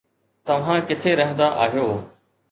توهان ڪٿي رهندا آهيو